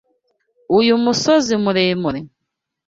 Uyu musozi muremure?